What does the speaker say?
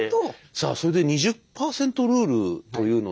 さあそれで２０％ルールというので。